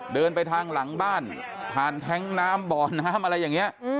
เดินไปทางหลังบ้านผ่านแท้งน้ำบ่อน้ำอะไรอย่างนี้